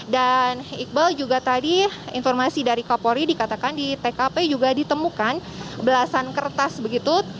dan iqbal juga tadi informasi dari kapolri dikatakan di tkp juga ditemukan belasan kertas begitu